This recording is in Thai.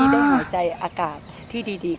มีได้หายใจอากาศที่ดี